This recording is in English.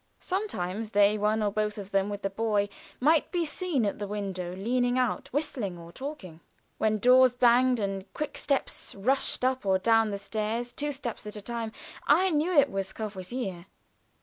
Sometimes they one or both of them with the boy might be seen at the window leaning out, whistling or talking. When doors banged and quick steps rushed up or down the stairs two steps at a time I knew it was Courvoisier.